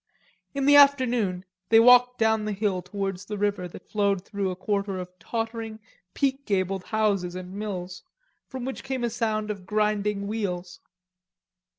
In the afternoon they walked down the hill towards the river, that flowed through a quarter of tottering, peak gabled houses and mills, from which came a sound of grinding wheels.